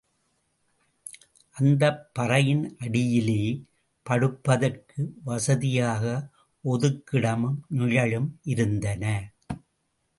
அந்தப் பறையின் அடியிலே படுப்பதற்கு வசதியாக ஒதுக்கிடமும் நிழலும் இருந்தன.